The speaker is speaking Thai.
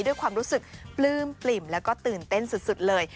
ด้วยความรู้สึกปลื้มปลิ่มแล้วก็ตื่นเต้นสุดเลย